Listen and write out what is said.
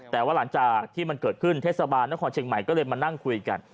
แต่ว่าหลังจากที่มันเกิดขึ้นเทศบาลนครเชียงใหม่ก็เลยมานั่งคุยกัน